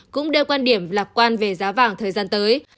cũng đeo quan điểm lạc quan về giá vàng thời gian tới